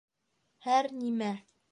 Һәр нимә